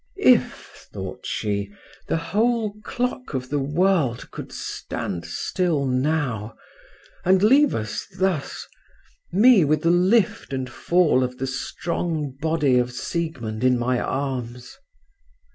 "If," thought she, "the whole clock of the world could stand still now, and leave us thus, me with the lift and fall of the strong body of Siegmund in my arms…."